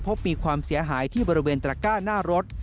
มีความเสียหายที่บริเวณตระก้าหน้ารถ